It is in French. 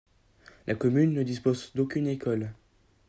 La commune ne dispose d'aucune école.